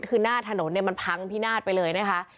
คือหน้าถนนเนี่ยมันพังพินาศไปเลยนะคะ